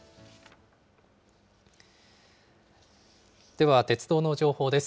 では鉄道の情報です。